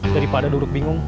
daripada duduk bingung